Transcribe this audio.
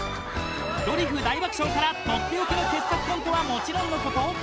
「ドリフ大爆笑」からとっておきの傑作コントはもちろんのこと